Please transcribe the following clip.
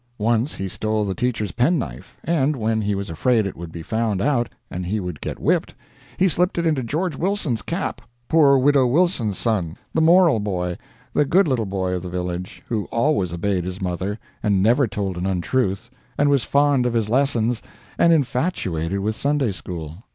Once he stole the teacher's penknife, and, when he was afraid it would be found out and he would get whipped, he slipped it into George Wilson's cap poor Widow Wilson's son, the moral boy, the good little boy of the village, who always obeyed his mother, and never told an untruth, and was fond of his lessons, and infatuated with Sunday school.